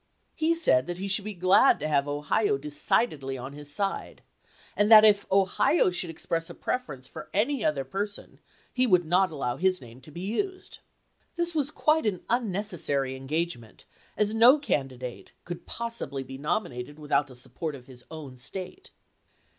He said that he should be glad to have iwd., p. 570! Ohio decidedly on his side, and that if Ohio should express a preference for any other person he would not allow his name to be used. This was quite an unnecessary engagement, as no candidate could possibly be nominated without the support of his own State.